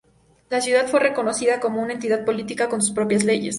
La ciudad fue reconocida como una entidad política con sus propias leyes.